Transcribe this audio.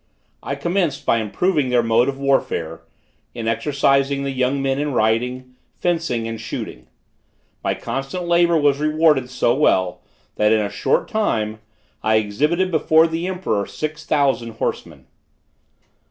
I commenced by improving their mode of warfare, in exercising the young men in riding, fencing and shooting. My constant labor was rewarded so well that, in a short time, I exhibited before the emperor six thousand horsemen.